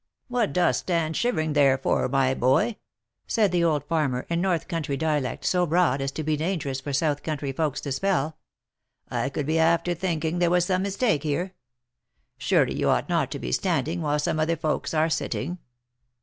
"What dost stand shivering there for, my boy?" said the old farmer, in north country dialect, so broad as to be dangerous for south country folks to spell, " I could be after thinking there was some mistake here. Surely you ought not to be standing, while some other folks are sitting."